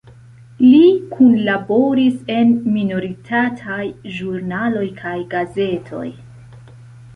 Li kunlaboris en minoritataj ĵurnaloj kaj gazetoj.